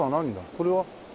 これは。